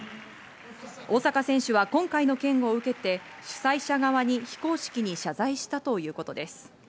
大坂選手は今回の件を受けて、主催者側に非公式に謝罪したということです。